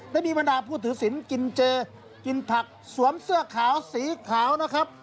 และมีบรรดาผู้ถือศิลป์กินเจกินผักสวมเสื้อขาวสีขาวนะครับ